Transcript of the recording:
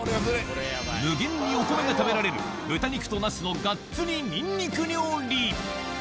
無限にお米が食べられる豚肉とナスのがっつりニンニク料理